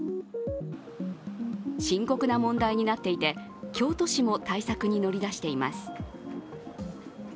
深刻な問題になっていて、京都市も対策に乗り出しています。